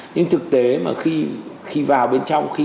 nhưng thực tế mà khi vào bên trong